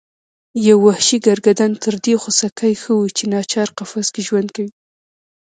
یو وحشي ګرګدن تر دې خوسکي ښه و چې ناچار قفس کې ژوند کوي.